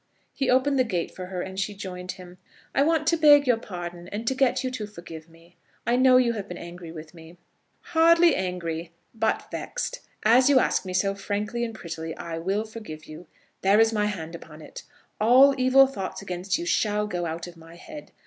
He opened the gate for her, and she joined him. "I want to beg your pardon, and to get you to forgive me. I know you have been angry with me." "Hardly angry, but vexed. As you ask me so frankly and prettily, I will forgive you. There is my hand upon it. All evil thoughts against you shall go out of my head.